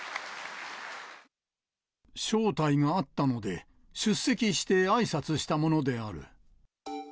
招待があったので、出席してあいさつしたものである。